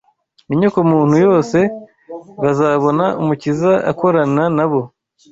n’inyokomuntu yose, bazabona Umukiza akorana nabo